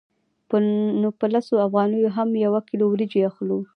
نو په لسو افغانیو هم یوه کیلو وریجې اخلو